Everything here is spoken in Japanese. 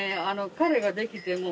彼ができても。